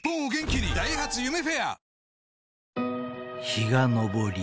［日が昇り